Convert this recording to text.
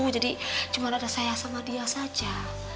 jadi cuma ada saya sama dia saja